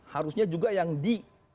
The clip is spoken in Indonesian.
harusnya juga yang di